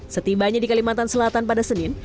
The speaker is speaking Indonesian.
setibanya di kalimantan selatan pada senin